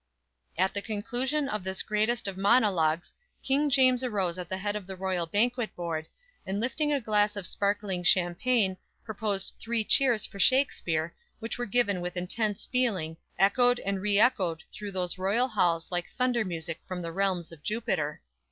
"_ At the conclusion of this greatest of monologues King James arose at the head of the royal banquet board, and lifting a glass of sparkling champagne, proposed three cheers for Shakspere, which were given with intense feeling, echoed and re echoed through those royal halls like thunder music from the realms of Jupiter.